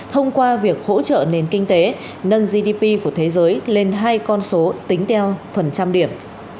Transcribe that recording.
thông qua việc hỗ trợ nền kinh tế nâng gdp của thế giới lên hai con số tính theo phần trăm điểm